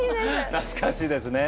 懐かしいですね。